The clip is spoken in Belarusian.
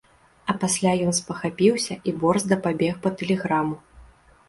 А пасля ён спахапіўся і борзда пабег па тэлеграму.